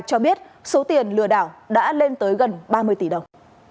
cho biết số tiền lừa đảo đã lên tới gần ba mươi tỷ đồng